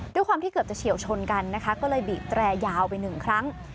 ด้วยความที่เกือบจะเฉียวชนกันนะคะก็เลยหาไป๑ครั้ง